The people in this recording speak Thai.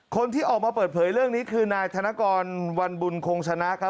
คนที่ออกมาเปิดเผยเรื่องนี้คือนายธนกรวันบุญคงชนะครับ